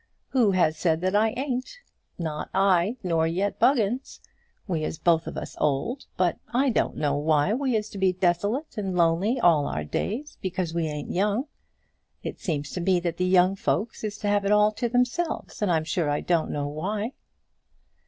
"Who has said that I ain't? Not I; nor yet Buggins. We is both of us old. But I don't know why we is to be desolate and lonely all our days, because we ain't young. It seems to me that the young folks is to have it all to themselves, and I'm sure I don't know why."